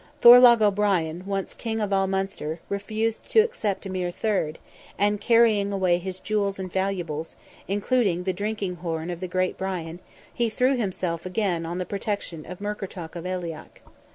Thorlogh O'Brien, once King of all Munster, refused to accept a mere third, and carrying away his jewels and valuables, including the drinking horn of the great Brian, he threw himself again on the protection of Murkertach of Aileach.